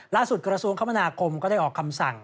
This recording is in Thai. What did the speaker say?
กระทรวงคมนาคมก็ได้ออกคำสั่ง